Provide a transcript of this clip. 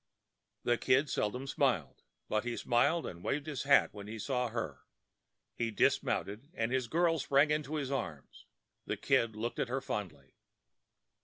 The Kid seldom smiled; but he smiled and waved his hat when he saw her. He dismounted, and his girl sprang into his arms. The Kid looked at her fondly.